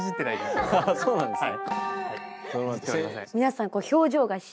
そうなんですね。